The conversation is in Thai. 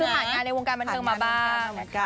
คือผ่านงานในวงการบันเทิงมาบ้าง